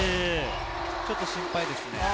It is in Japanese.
ちょっと心配です。